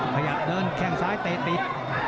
เขาอยากเดินแข่งซ้ายเตะตี